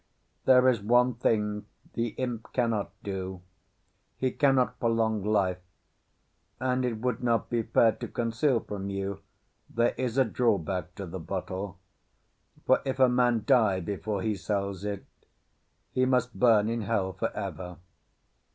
"There is one thing the imp cannot do—he cannot prolong life; and, it would not be fair to conceal from you, there is a drawback to the bottle; for if a man die before he sells it, he must burn in hell forever."